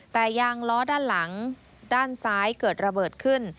แต่ยางล้อด้านหลังด้านซ้ายเกิดระเบิดขึ้น